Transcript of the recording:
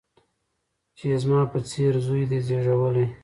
چي یې زما په څېره زوی دی زېږولی